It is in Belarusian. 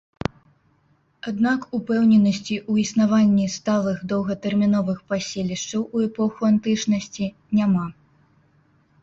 Аднак упэўненасці ў існаванні сталых доўгатэрміновых паселішчаў у эпоху антычнасці няма.